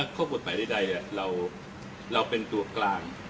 ข้อกฎหมายใดเราเป็นตัวกลาง